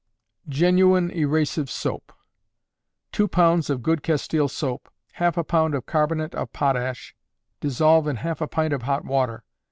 Genuine Erasive Soap. Two pounds of good castile soap; half a pound of carbonate of potash; dissolve in half a pint of hot water.